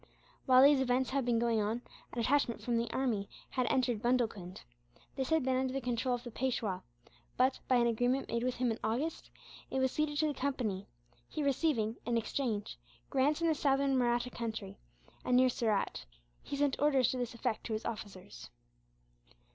While these events had been going on, a detachment from the army had entered Bundelcund. This had been under the control of the Peishwa but, by an agreement made with him in August, it was ceded to the Company; he receiving, in exchange, grants in the southern Mahratta country, and near Surat. He sent orders to this effect to his officers.